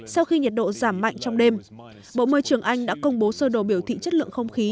sau khi nhiệt độ giảm mạnh trong đêm bộ môi trường anh đã công bố sơ đồ biểu thị chất lượng không khí